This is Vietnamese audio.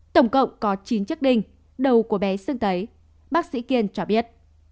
tổng cộng có chín chiếc đinh đầu của bé xương thấy bác sĩ kiên cho biết